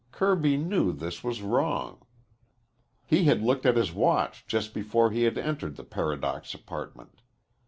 Kirby knew this was wrong. He had looked at his watch just before he had entered the Paradox Apartment.